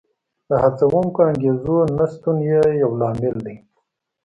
د هڅوونکو انګېزو نشتون یې یو لامل دی